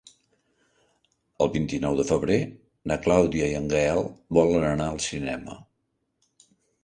El vint-i-nou de febrer na Clàudia i en Gaël volen anar al cinema.